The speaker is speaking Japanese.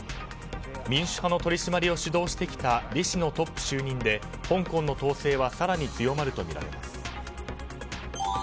民主派の取り締まりを主導してきたリ氏のトップ就任で香港の統制は更に強まるとみられます。